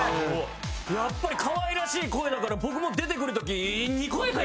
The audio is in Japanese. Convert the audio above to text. やっぱりかわいらしい声だから僕も出てくる時。